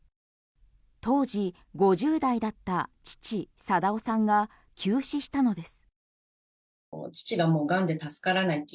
当時５０代だった父・定夫さんが急死したのです。